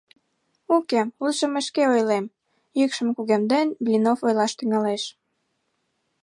— Уке, лучо мый шке ойлем, — йӱкшым кугемден, Блинов ойлаш тӱҥалеш.